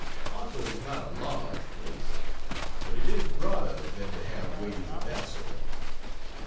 Hartford is not a large place, but it is broader than to have ways of that sort.